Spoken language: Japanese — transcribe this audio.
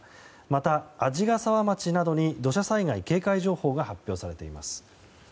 また、鰺ヶ沢町などに土砂災害警戒情報が発表されています。